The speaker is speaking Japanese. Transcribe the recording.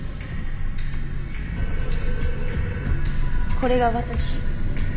これが私？